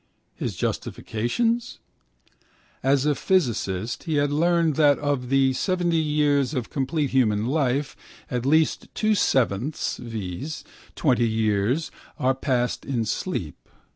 His justifications? As a physicist he had learned that of the 70 years of complete human life at least 2/7, viz. 20 years are passed in sleep.